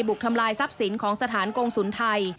ทำลายทรัพย์สินของสถานกงศูนย์ไทย